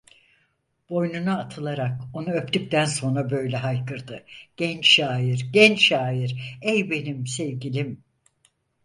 Boynuna atılarak onu öptükten sonra böyle haykırdı: "Genç şair, genç şair, ey benim sevgilim!"